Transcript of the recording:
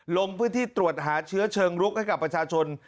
ลงพื้นที่ตรวจหาเชื้อเชิงลุกให้กับประชาชน